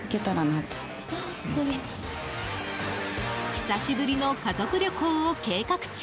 久しぶりの家族旅行を計画中。